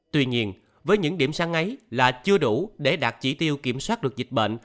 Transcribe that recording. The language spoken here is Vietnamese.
tuy nhiên với những điểm sáng ấy là chưa đủ để đạt chỉ tiêu kiểm soát được dịch bệnh